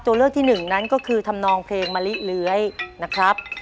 ตัวเลือกที่หนึ่งนั้นก็คือทำนองเพลงมะลิเลื้อยนะครับ